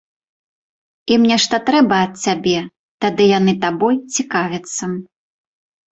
Ім нешта трэба ад цябе, тады яны табой цікавяцца.